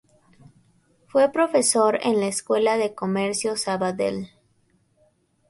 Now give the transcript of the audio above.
Fue profesor en la Escuela de Comercio Sabadell.